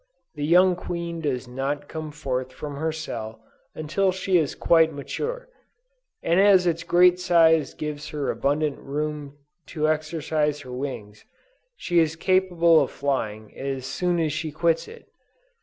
The young queen does not come forth from her cell until she is quite mature; and as its great size gives her abundant room to exercise her wings she is capable of flying as soon as she quits it.